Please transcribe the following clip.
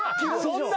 そんな？